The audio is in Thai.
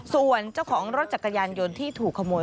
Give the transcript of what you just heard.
ส่วนเจ้าของรถจักรยานยนต์ที่ถูกขโมย